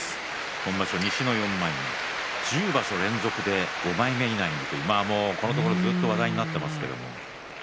今場所、西の４枚目１０場所連続で５枚目以内というこのところずっと話題になっていますけれども。